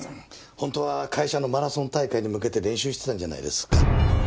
本当は会社のマラソン大会に向けて練習してたんじゃないですか？